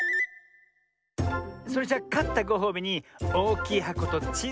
それじゃかったごほうびにおおきいはことちいさいはこ